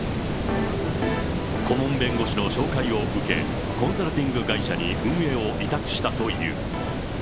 顧問弁護士の紹介を受け、コンサルティング会社に運営を委託したという。